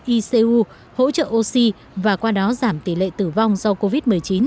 icu hỗ trợ oxy và qua đó giảm tỷ lệ tử vong do covid một mươi chín